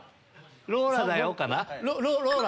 「ローラだよ！」かな？